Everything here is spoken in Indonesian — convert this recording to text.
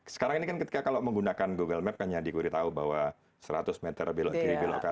sekarang ini kan ketika kalau menggunakan google map kan yang dikuri tahu bahwa seratus meter belok kiri belok kanan